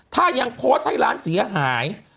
ถ้ายังโพสต์ให้ร้านเสียหาย